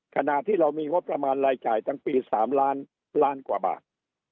ขณะที่เรามีงบประมาณรายจ่ายทั้งปี๓ล้านล้านกว่าบาท